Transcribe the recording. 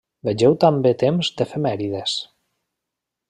Vegeu també Temps d'efemèrides.